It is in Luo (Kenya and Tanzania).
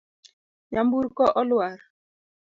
Nyamburko oluar.